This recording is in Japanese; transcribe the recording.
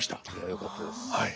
よかったです。